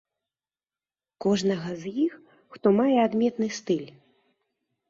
Кожнага з іх, хто мае адметны стыль.